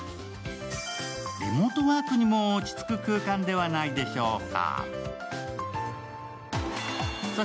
リモートワークにも落ち着く空間ではないでしょうか。